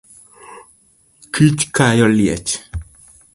Kich kayo liech